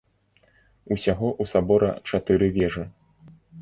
Усяго ў сабора чатыры вежы.